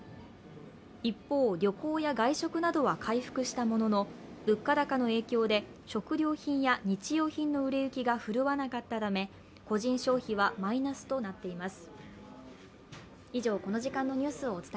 一方、旅行や外食などは回復したものの、物価高の影響で食料品や日用品の売れ行きが振るわなかったため個人消費はマイナスとなっています。